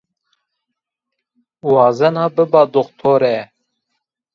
Wazena biba doktore